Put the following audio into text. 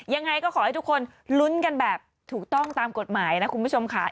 ยังไงก็ขอให้ทุกคนลุ้นกันแบบถูกต้องตามกฎหมายนะคุณผู้ชมค่ะ